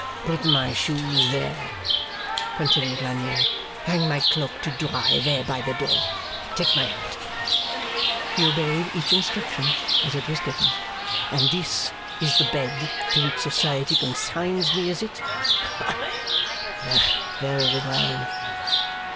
'Put my shoes there,' continued Lagnier. 'Hang my cloak to dry there by the door. Take my hat.' He obeyed each instruction, as it was given. 'And this is the bed to which society consigns me, is it? Hah. Very well!